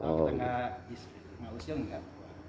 kalau kita nggak usia nggak ada